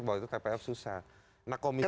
kalau memang tpf itu susah saya udah mikir